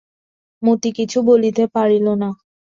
মতি কিছু বলিতে পারিল না।